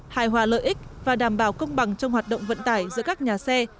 hài hòa lợi ích và đảm bảo công bằng trong hoạt động vận tải giữa các nhà xe